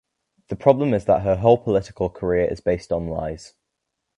The problem is that her whole political career is based on lies.